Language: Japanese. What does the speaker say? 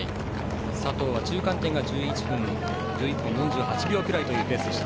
佐藤は中間点が１１分４８秒くらいというペースでした。